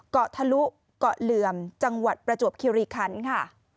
เกาะทะลุเกาะเหลื่อมจังหวัดประจวบคิริคันค่ะ